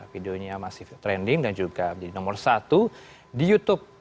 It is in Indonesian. videonya masih trending dan juga menjadi nomor satu di youtube